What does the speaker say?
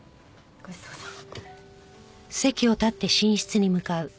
ごちそうさま。